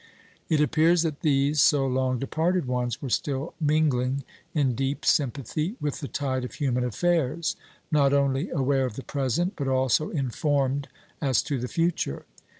It appears that these so long departed ones were still mingling in deep sympathy with the tide of human affairs not only aware of the present, but also informed as to the future.